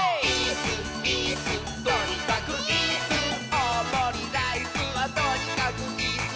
「おおもりライスはとにかくイス！」